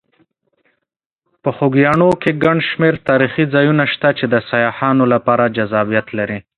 په خوږیاڼي کې ګڼ شمېر تاریخي ځایونه شته چې د سیاحانو لپاره جذابیت لري.